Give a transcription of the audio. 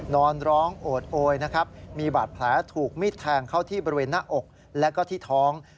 นอนร้องโอดโอยนะครับมีบาดแผลถูกมิดแทงเข้าที่บริเวณหน้าอกและก็ที่ท้อง